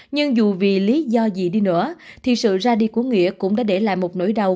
nhưng dù vì lý do gì đi nữa thì sự ra đi của nghĩa cũng đã để lại một nỗi đau